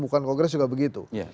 bukan kongres juga begitu